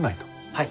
はい。